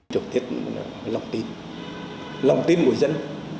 chủ tiết lòng tin lòng tin của dân